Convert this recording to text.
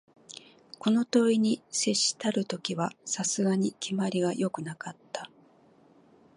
この問に接したる時は、さすがに決まりが善くはなかった